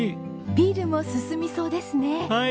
ビールも進みそうですね。